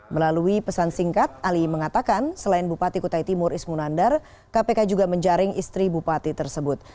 melalui pesan singkat ali mengatakan selain bupati kutai timur ismu nandar kpk juga menjaring istri bupati tersebut